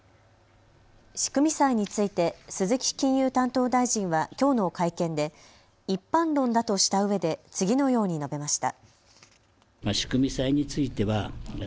仕組み債について鈴木金融担当大臣はきょうの会見で一般論だとしたうえで次のように述べました。